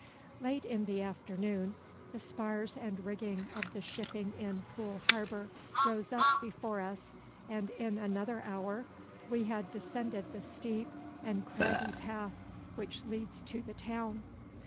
Late in the afternoon the spars and rigging of the shipping in Poole Harbour rose up before us, and in another hour we had descended the steep and craggy path which leads to the town.